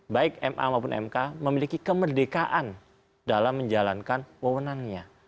baik ma maupun mk memiliki kemerdekaan dalam menjalankan wawonannya